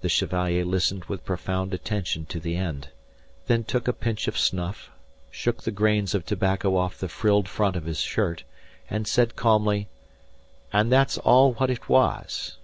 The Chevalier listened with profound attention to the end, then took a pinch of snuff, shook the grains of tobacco off the frilled front of his shirt, and said calmly: "And that's all what it was."